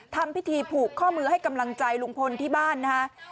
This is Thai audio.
ทำพิธีผูกข้อมือให้กำลังใจลุงพลที่บ้านนะฮะ